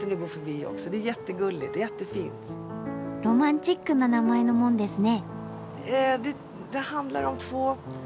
ロマンチックな名前の門ですね。